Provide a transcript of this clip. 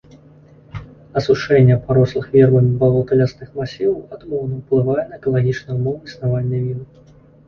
Асушэнне парослых вербамі балот і лясных масіваў адмоўна ўплывае на экалагічныя ўмовы існавання віду.